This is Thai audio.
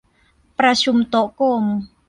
ประชุมโต๊ะกลม